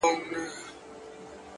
o خوب كي گلونو ســـره شپـــــې تېــروم،